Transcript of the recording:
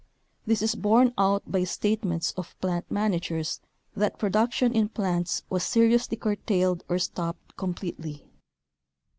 This is borne out by state ments of plant managers that production in plants was seriously curtailed or stopped com pletely.